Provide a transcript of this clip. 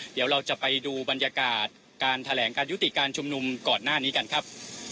เดี๋ยวเราจะไปดูบรรยากาศการแถลงการยุติการชุมนุมก่อนหน้านี้กันครับ